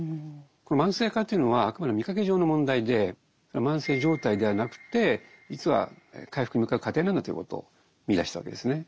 これ慢性化というのはあくまで見かけ上の問題で慢性「状態」ではなくて実は回復に向かう「過程」なんだということを見いだしたわけですね。